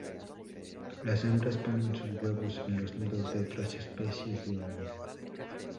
Las hembras ponen sus huevos en los nidos de otras especies de ave.